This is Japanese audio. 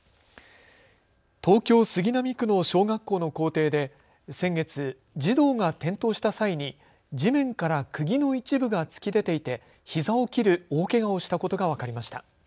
東京杉並区の小学校の校庭で先月、児童が転倒した際に地面からくぎの一部が突き出ていてひざを切る大けがをしたことが分かりました。